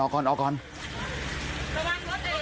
รถหลังมีรถ